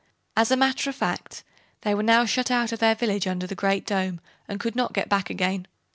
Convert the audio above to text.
As a matter of fact, they were now shut out of their village under the Great Dome and could not get back again.